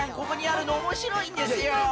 ここにあるのおもしろいんですよ。